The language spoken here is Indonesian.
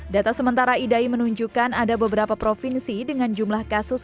data sementara idai menunjukkan ada beberapa provinsi dengan jumlah kasus